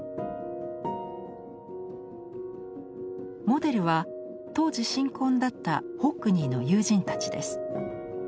モデルは当時新婚だったホックニーの友人たちです。